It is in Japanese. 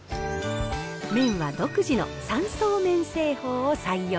麺は独自の三層麺製法を採用。